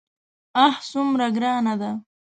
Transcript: آه څومره ګرانه ده.